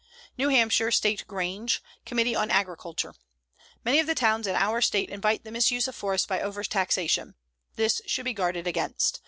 NEW HAMPSHIRE STATE GRANGE, Committee on Agriculture: Many of the towns in our State invite the misuse of forests by overtaxation. This should be guarded against.